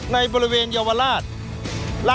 ในบริเวณเยาวราช